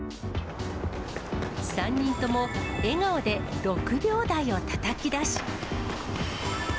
３人とも、笑顔で６秒台をたたき出し。